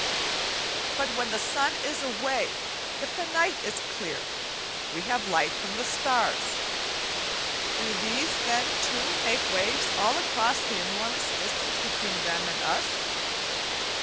But when the sun is away, if the night is clear we have light from the starts. Do these then too make waves all across the enormous distance between them and us?